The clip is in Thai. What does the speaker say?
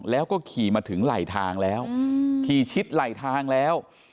แล้วก็ขี่มาถึงไหลทางแล้วขี่ชิดไหลทางแล้ว